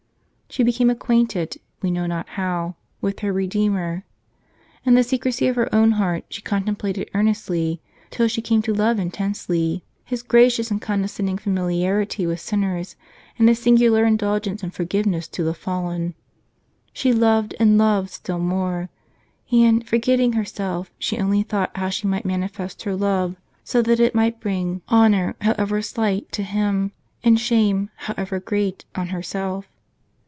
She became acquainted, we know not how, Avith her Re deemer; in the secrecy of her own heart, she contemplated earnestly, till she came to love intensely. His gracious and condescending familiarity with sinners, and His singular indulgence and forgivingness to the fallen. She loved and loved still more; and, forgetting herself, she only thought how she might manifest her love, so that it might bring honor, however slight, to Him, and shame, however great, on herself.